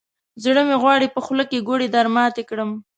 زړه مې غواړي، په خوله کې ګوړې درماتې کړم.